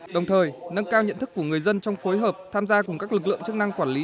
đồng thời nâng cao nhận thức của người dân trong phối hợp tham gia cùng các lực lượng chức năng quản lý